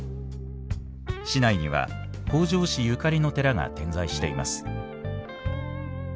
市内には北条氏ゆかりの寺が点在しています。